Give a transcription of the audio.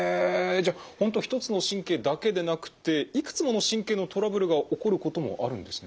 じゃあ本当一つの神経だけでなくていくつもの神経のトラブルが起こることもあるんですね？